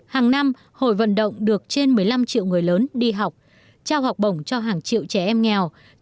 hàng năm hội vận động được trên một mươi năm triệu người lớn đi học trao học bổng cho hàng triệu trẻ em nghèo